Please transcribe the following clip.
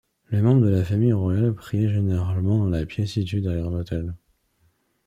Les membres de la famille royale priaient généralement dans la pièce située derrière l'autel.